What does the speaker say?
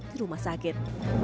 dan ada tiga orang yang terlalu sakit